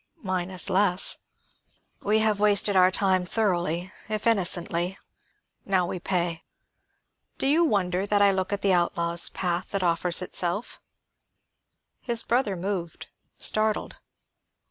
"Mine is less." "We have wasted our time thoroughly, if innocently. Now we pay. Do you wonder that I look at the outlaw's path that offers itself?" His brother moved, startled.